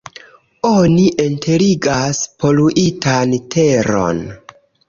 Oni enterigas poluitan teron.